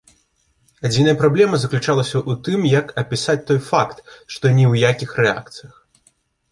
Адзіная праблема заключалася ў тым, як апісаць той факт, што ні ў якіх рэакцыях.